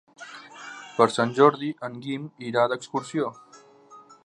Per Sant Jordi en Guim irà d'excursió.